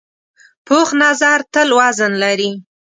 پوخ نظر تل وزن لري